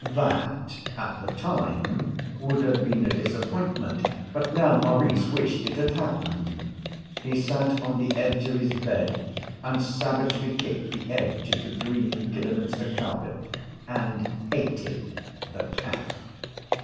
That, at the time would have been a disappointment, but now Maurice wished it had happened. He sat on the edge of his bed and savagely kicked the edge of the green Kidderminster carpet, and hated the cat.